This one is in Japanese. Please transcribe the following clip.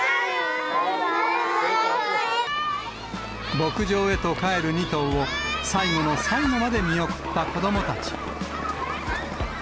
牧場へと帰る２頭を、最後の最後まで見送った子どもたち。